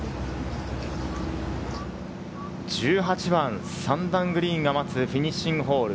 １８番、３段グリーンが待つフィニッシングホール。